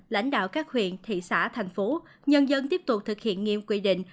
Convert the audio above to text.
lãnh đạo các huyện thị xã thành phố nhân dân tiếp tục thực hiện nghiêm quy định